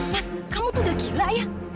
mas kamu tuh udah gila ya